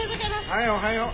はいおはよう。